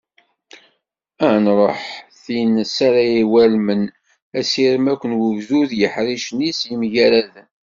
Ad nruḥ tin s ara iwalmen asirem akk n wegdud s yeḥricen-is yemgaraden.